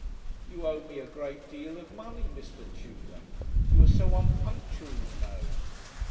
You owe me a great deal of money, Mr. Tudor. You are so unpunctual, you know.'